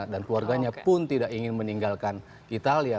dan keluarganya pun tidak ingin meninggalkan italia